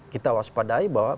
kita waspadai bahwa